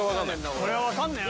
これは分かんねえな。